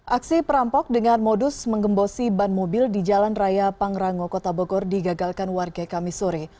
aksi perampok dengan modus mengembosi ban mobil di jalan raya pangrango kota bogor digagalkan warga kami sore